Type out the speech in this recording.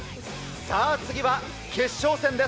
さあ、次は決勝戦です。